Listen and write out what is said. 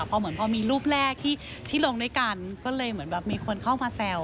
พอเหมือนพอมีรูปแรกที่ลงด้วยกันก็เลยเหมือนแบบมีคนเข้ามาแซว